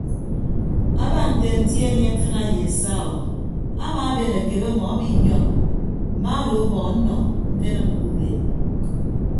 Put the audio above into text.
Aba nte anti anie mfịna ye saa o amaaben akebe ọmọ abiinyọñ mma odo ọbọ ọnnọ ñkenịm ke ubeed.